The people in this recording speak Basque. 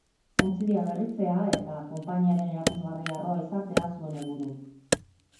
Ontzidia berritzea eta konpainiaren erakusgarri harroa izatea zuen helburu.